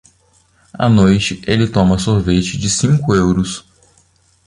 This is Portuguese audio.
À noite ele toma sorvete de cinco euros.